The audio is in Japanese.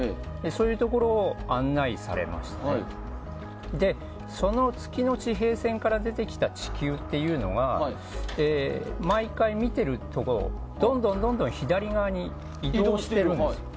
そういうところを案内されましてその月の地平線から出てきた地球というのが毎回、見てるほどどんどん左側に移動しているんですよ。